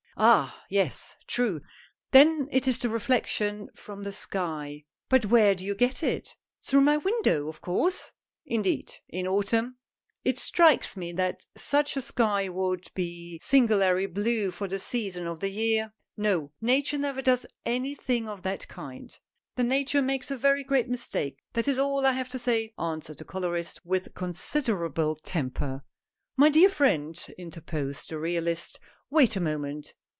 " Ah ! yes, true. Then it is the reflection from the sky." " But where do you get it ?"" Through my window, of course !"" Indeed ! in autumn ? It strikes me that such a sky would be singularly blue for the season of the year. No, Nature never does any thing of that kind! "" Then Nature makes a very great mistake, that is all I have to say," answered " the colorist," with consider able temper. "My dear friend," interposed the realist, "wait a moment.